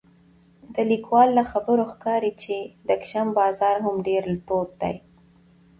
د لیکوال له خبرو ښکاري چې د کشم بازار هم ډېر تود دی